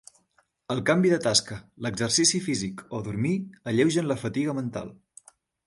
El canvi de tasca, l'exercici físic o dormir alleugen la fatiga mental.